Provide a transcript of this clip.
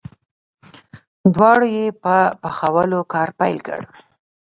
دواړو یې په پخولو کار پیل کړ.